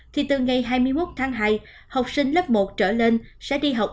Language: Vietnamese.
thì từ ngày hai mươi một tháng hai học sinh lớp một trở lên sẽ đi học